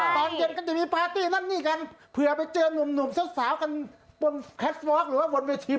ก็เลยต้องมีการอารมณ์ทักทายสนใจความน่ารักอยู่ที่ใจ